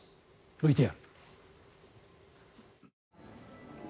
ＶＴＲ。